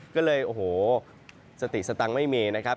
ก็เลยโอ้โหสติสตังค์ไม่มีนะครับ